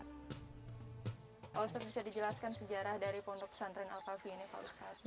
pak ustadz bisa dijelaskan sejarah dari pondok pesantren al kafi ini pak ustadz